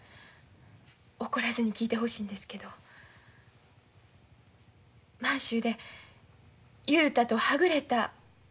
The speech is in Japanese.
怒らずに聞いてほしいんですけど満州で雄太とはぐれた言うてはりましたね。